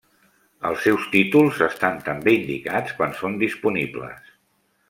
Els seus títols estan també indicats quan són disponibles.